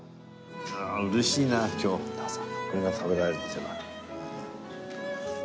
ああ嬉しいな今日これが食べられるっていうのは。